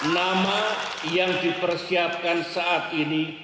nama yang dipersiapkan saat ini